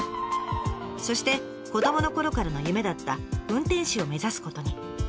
そして子どものころからの夢だった運転士を目指すことに。